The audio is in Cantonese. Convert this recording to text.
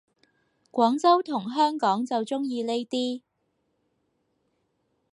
廣州同香港就鍾意呢啲